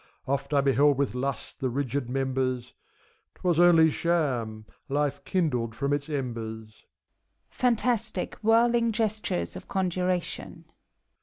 Oft I beheld with lust the rigid members : 'T was only sham; Life kindled from its embers. (Fantastic, whirling gestures of conjuration.)